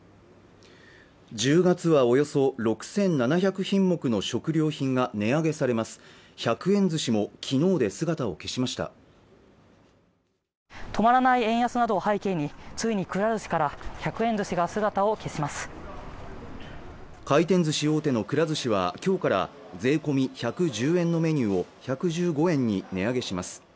１０月はおよそ６７００品目の食料品が値上げされます１００円ずしも昨日で姿を消しました止まらない円安などを背景についにくら寿司から１００円ずしが姿を消します回転寿司大手のくら寿司は今日から税込み１１０円のメニューを１１５円に値上げします